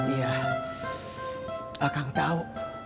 ya akang tau